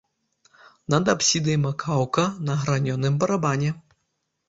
Над апсідай макаўка на гранёным барабане.